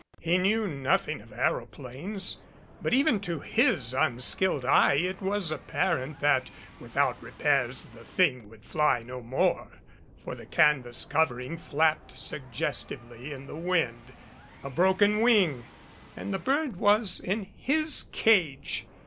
He knew nothing of aeroplanes, but even to his unskilled eye it was apparent that without repairs the thing would fly no more, for the canvas covering flapped suggestively in the wind. A broken wing! And the bird was in his cage.